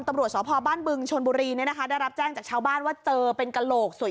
ตำรวจสพบ้านบึงชนบุรีเนี่ยนะคะได้รับแจ้งจากชาวบ้านว่าเจอเป็นกระโหลกสวย